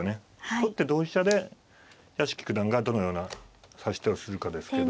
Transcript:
取って同飛車で屋敷九段がどのような指し手をするかですけど。